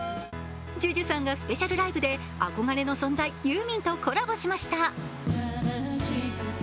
ＪＵＪＵさんがスペシャルライブで憧れの存在、ユーミンとコラボしました。